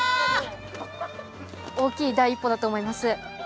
大きい第一歩だと思います。